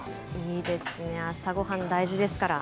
いいですね、朝ごはん大事ですから。